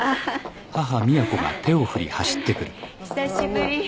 久しぶり。